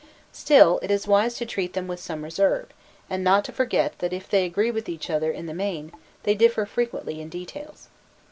Still it is wise to treat them with some reserve, and not to forget that if they agree with each other in the main, they differ frequently in details.